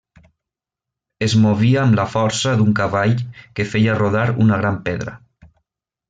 Es movia amb la força d'un cavall, que feia rodar una gran pedra.